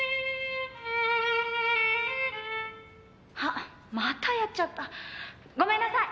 「あっまたやっちゃった」「ごめんなさい！